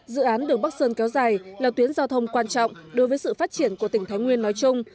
dự án đường bắc sơn kéo dài là tuyến giao thông quan trọng đối với sự phát triển của tỉnh thái nguyên nói chung